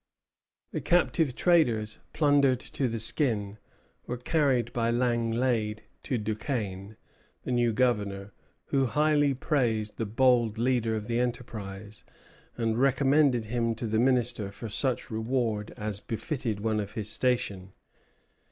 The captive traders, plundered to the skin, were carried by Langlade to Duquesne, the new governor, who highly praised the bold leader of the enterprise, and recommended him to the Minister for such reward as befitted one of his station.